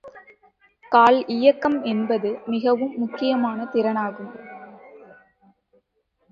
கால் இயக்கம் என்பது மிகவும் முக்கியமான திறனாகும்.